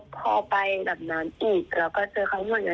ไปบอกบ้านนั้นให้หยุดบ้าก่อนอะไรอย่างนี้